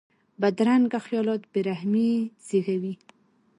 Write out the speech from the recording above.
بدرنګه خیالات بې رحمي زېږوي